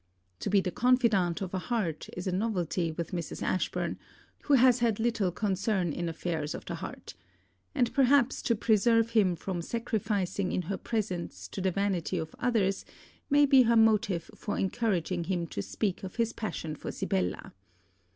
To be the confidante of a heart is a novelty with Mrs. Ashburn, who has had little concern in affairs of the heart; and perhaps to preserve him from sacrificing in her presence to the vanity of others may be her motive for encouraging him to speak of his passion for Sibella.